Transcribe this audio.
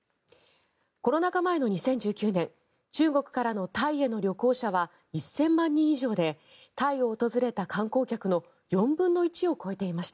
コロナ禍前の２０１９年中国からのタイへの旅行者は１０００万人以上でタイを訪れた観光客の４分の１を超えていました。